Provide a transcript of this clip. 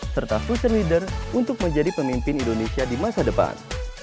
serta fusion leader untuk menjadi pemimpin indonesia di masa depan